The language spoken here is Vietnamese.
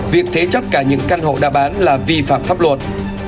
việc thế chấp cả những căn hộ đã bán là vi phạm pháp luật